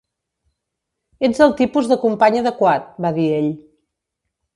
"Ets el tipus de company adequat", va dir ell.